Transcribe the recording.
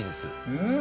うん！